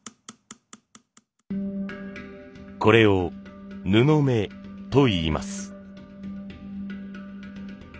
これを「布目」といいます。